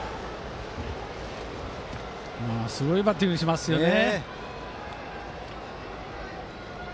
すごいバッティングをしますよね。